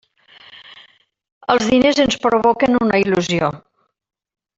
Els diners ens provoquen una il·lusió.